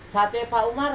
sate pak umar